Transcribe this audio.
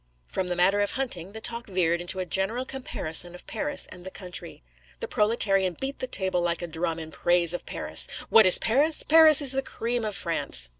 From the matter of hunting, the talk veered into a general comparison of Paris and the country. The proletarian beat the table like a drum in praise of Paris. 'What is Paris? Paris is the cream of France.